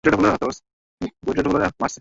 হেই, আমরা কৃষ্ণের সাথেও কথা বলেছি।